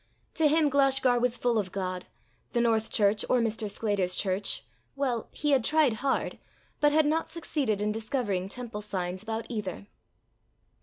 To him Glashgar was full of God; the North church or Mr. Sclater's church well, he had tried hard, but had not succeeded in discovering temple signs about either.